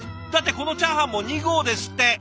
だってこのチャーハンも２合ですって。